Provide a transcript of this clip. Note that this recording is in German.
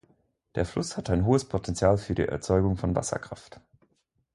Der Fluss hat ein hohes Potenzial für die Erzeugung von Wasserkraft.